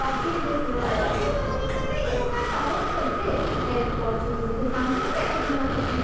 そのままね広がったらほっといて中火で３分ぐらい焼いてもらうとカリカリができるのでね。